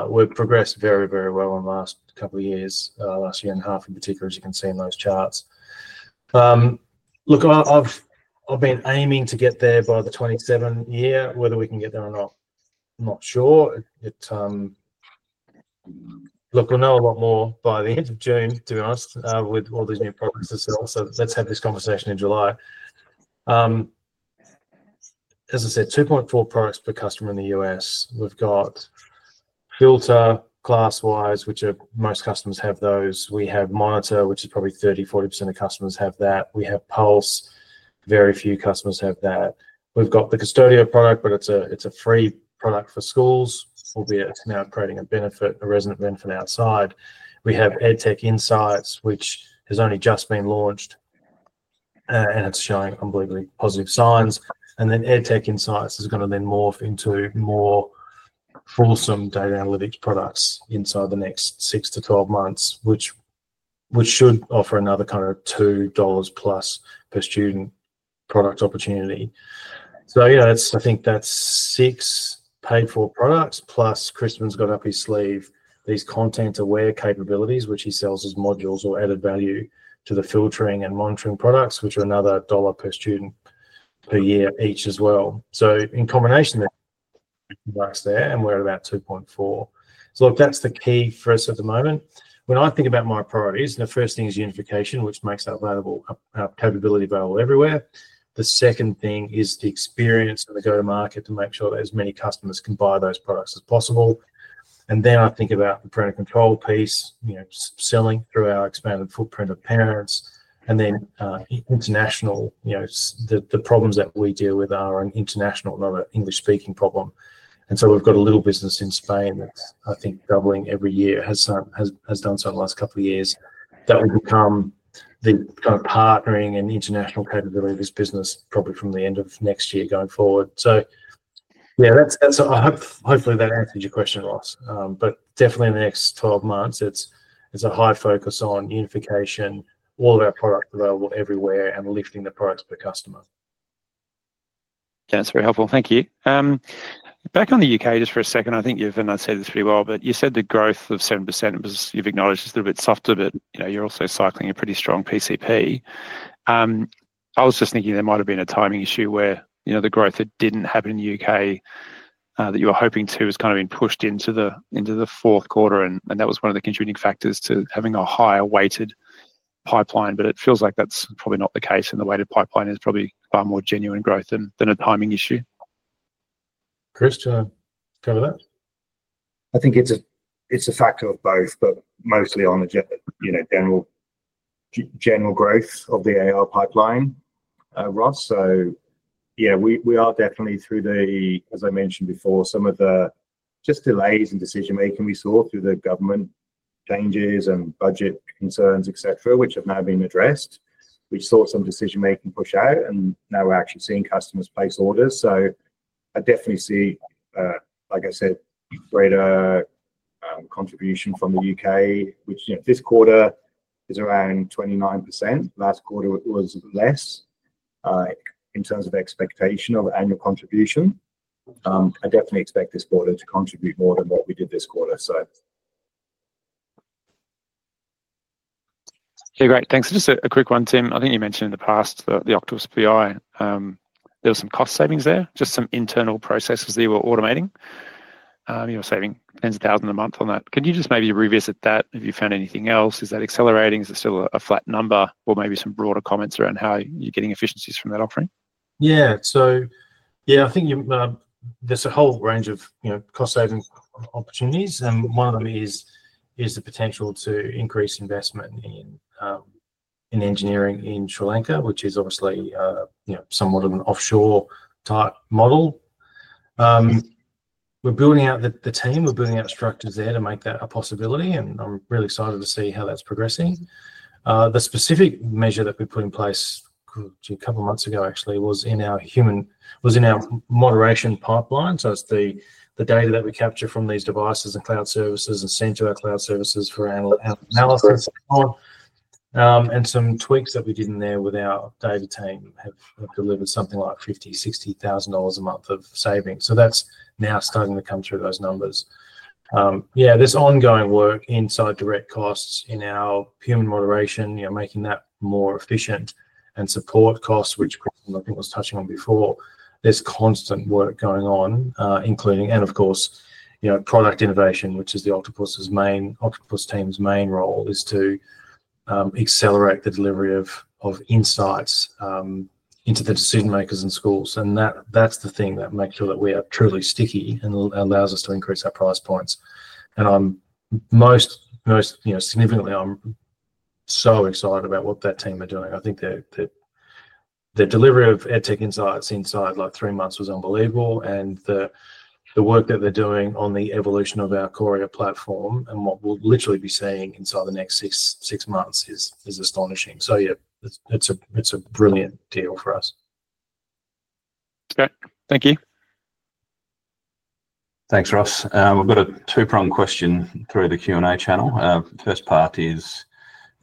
We've progressed very, very well in the last couple of years, last year and a half in particular, as you can see in those charts. Look, I've been aiming to get there by the 2027 year. Whether we can get there or not, I'm not sure. Look, we'll know a lot more by the end of June, to be honest, with all these new products to sell. Let's have this conversation in July. As I said, 2.4 products per customer in the U.S. We've got Filter, Classwize, which most customers have those. We have Monitor, which is probably 30%-40% of customers have that. We have Pulse. Very few customers have that. We've got the Qustodio product, but it's a free product for schools, albeit now creating a benefit, a resident benefit outside. We have EdTech Insights, which has only just been launched, and it's showing unbelievably positive signs. EdTech Insights is going to then morph into more fulsome data analytics products inside the next 6-12 months, which should offer another kind of $2 plus per student product opportunity. I think that's six paid-for products, plus Crispin's got up his sleeve these content-aware capabilities, which he sells as modules or added value to the filtering and monitoring products, which are another $1 per student per year each as well. In combination, that's there, and we're at about 2.4. Look, that's the key for us at the moment. When I think about my priorities, the first thing is unification, which makes our capability available everywhere. The second thing is the experience of the go-to-market to make sure that as many customers can buy those products as possible. I think about the parental control piece, selling through our expanded footprint of parents. Internationally, the problems that we deal with are an international and other English-speaking problem. We have a little business in Spain that is, I think, doubling every year, has done so in the last couple of years. That will become the kind of partnering and international capability of this business probably from the end of next year going forward. Yeah, hopefully that answers your question, Ross. Definitely in the next 12 months, it is a high focus on unification, all of our products available everywhere, and lifting the products per customer. That is very helpful. Thank you. Back on the U.K. just for a second, I think you and I have said this pretty well, but you said the growth of 7% was, you have acknowledged, is a little bit softer, but you are also cycling a pretty strong PCP. I was just thinking there might have been a timing issue where the growth that did not happen in the U.K. that you were hoping to has kind of been pushed into the fourth quarter, and that was one of the contributing factors to having a higher-weighted pipeline. It feels like that is probably not the case, and the weighted pipeline is probably far more genuine growth than a timing issue. Chris, do you want to cover that? I think it is a factor of both, but mostly on the general growth of the ARR pipeline, Ross. We are definitely through the, as I mentioned before, some of the just delays in decision-making we saw through the government changes and budget concerns, etc., which have now been addressed. We saw some decision-making push out, and now we are actually seeing customers place orders. I definitely see, like I said, greater contribution from the U.K., which this quarter is around 29%. Last quarter, it was less in terms of expectation of annual contribution. I definitely expect this quarter to contribute more than what we did this quarter. Okay, great. Thanks. Just a quick one, Tim. I think you mentioned in the past the Octopus BI. There were some cost savings there, just some internal processes they were automating. You were saving tens of thousands a month on that. Could you just maybe revisit that if you found anything else? Is that accelerating? Is it still a flat number? Or maybe some broader comments around how you're getting efficiencies from that offering? Yeah. Yeah, I think there's a whole range of cost-saving opportunities, and one of them is the potential to increase investment in engineering in Sri Lanka, which is obviously somewhat of an offshore-type model. We're building out the team. We're building out structures there to make that a possibility, and I'm really excited to see how that's progressing. The specific measure that we put in place a couple of months ago, actually, was in our moderation pipeline. It's the data that we capture from these devices and cloud services and send to our cloud services for analysis and so on. Some tweaks that we did in there with our data team have delivered something like $50,000-$60,000 a month of savings. That's now starting to come through those numbers. Yeah, there's ongoing work inside direct costs in our human moderation, making that more efficient and support costs, which Crispin, I think, was touching on before. There's constant work going on, including, of course, product innovation, which is the Octopus team's main role is to accelerate the delivery of insights into the decision-makers and schools. That's the thing that makes sure that we are truly sticky and allows us to increase our price points. Most significantly, I'm so excited about what that team are doing. I think their delivery of EdTech Insights inside like three months was unbelievable. The work that they're doing on the evolution of our Qoria platform and what we'll literally be seeing inside the next six months is astonishing. Yeah, it's a brilliant deal for us. Okay. Thank you. Thanks, Ross. We've got a two-pronged question through the Q&A channel. First part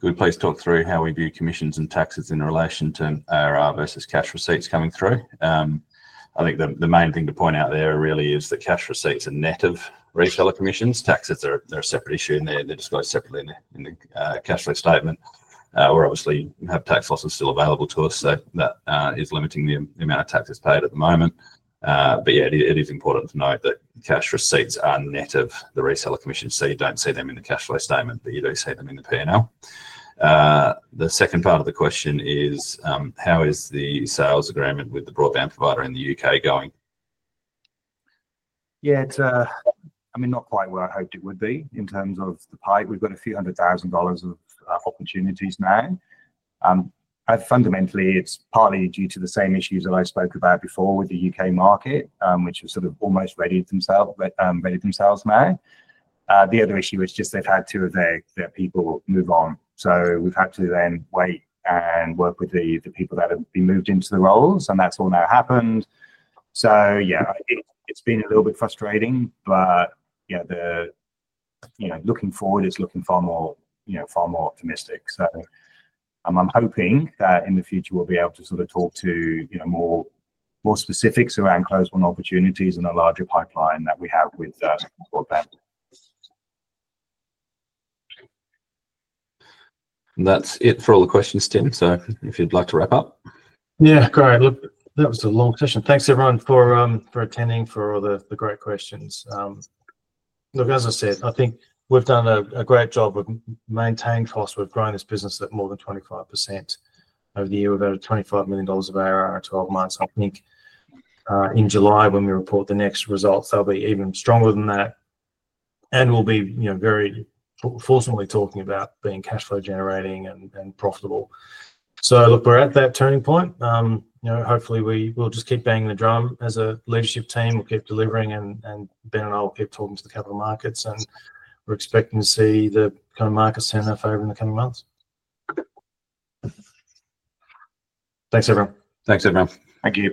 is, could we please talk through how we view commissions and taxes in relation to ARR versus cash receipts coming through? I think the main thing to point out there really is that cash receipts are net of reseller commissions. Taxes are a separate issue in there. They are disclosed separately in the cash flow statement. We obviously have tax losses still available to us, so that is limiting the amount of taxes paid at the moment. Yeah, it is important to note that cash receipts are net of the reseller commission, so you do not see them in the cash flow statement, but you do see them in the P&L. The second part of the question is, how is the sales agreement with the broadband provider in the U.K. going? I mean, not quite where I hoped it would be in terms of the pipe. We've got a few hundred thousand dollars of opportunities now. Fundamentally, it's partly due to the same issues that I spoke about before with the U.K. market, which have sort of almost readied themselves now. The other issue is just they've had two of their people move on. We've had to then wait and work with the people that have been moved into the roles, and that's all now happened. Yeah, it's been a little bit frustrating, but yeah, looking forward, it's looking far more optimistic. I'm hoping that in the future, we'll be able to sort of talk to more specifics around close-run opportunities and a larger pipeline that we have with broadband. That's it for all the questions, Tim. If you'd like to wrap up. Yeah, great. Look, that was a long session. Thanks, everyone, for attending, for all the great questions. Look, as I said, I think we've done a great job of maintaining costs. We've grown this business at more than 25% over the year, about $25 million of ARR in 12 months. I think in July, when we report the next results, they'll be even stronger than that. We'll be very forcefully talking about being cash flow generating and profitable. We're at that turning point. Hopefully, we will just keep banging the drum as a leadership team. We'll keep delivering, and Ben and I will keep talking to the capital markets. We're expecting to see the kind of markets turn their favor in the coming months. Thanks, everyone. Thanks, everyone. Thank you.